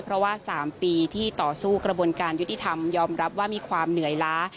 เพราะว่า๓ปีที่ต่อสู้กระบวนการยุติธรรมยอมรับว่ามีความเหนื่อยล้า